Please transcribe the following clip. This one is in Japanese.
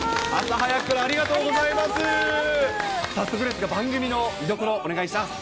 早速ですが、番組の見どころ、お願いします。